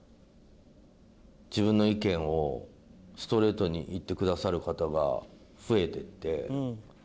自分の意見をストレートに言ってくださる方が増えていって。